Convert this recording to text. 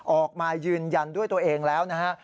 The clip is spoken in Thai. ออกมายืนยันด้วยตัวเองแล้วนะฮะ